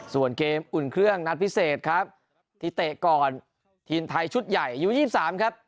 ส่วนเกมอุ่นเครื่องนัดพิเศษครับที่เตะก่อนทีมไทยชุดใหญ่อายุ๒๓ครับ